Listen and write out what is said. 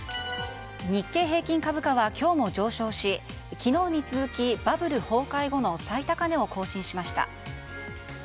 日経平均株価は今日も上昇し昨日に続きバブル崩壊後の最高値を更新しました。